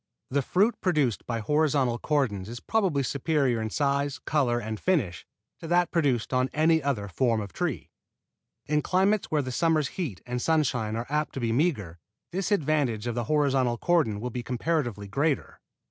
The fruit produced by horizontal cordons is probably superior in size, color and finish to that produced on any other form of tree. In climates where the summer's heat and sunshine are apt to be meager, this advantage of the horizontal cordon will be comparatively greater.